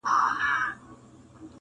خلک غنم کري، لونګ کري، ګلونه کري